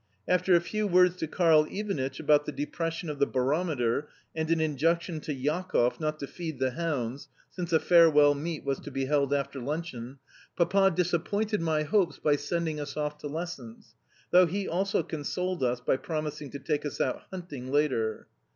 After a few words to Karl Ivanitch about the depression of the barometer and an injunction to Jakoff not to feed the hounds, since a farewell meet was to be held after luncheon, Papa disappointed my hopes by sending us off to lessons though he also consoled us by promising to take us out hunting later.